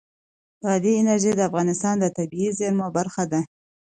بادي انرژي د افغانستان د طبیعي زیرمو برخه ده.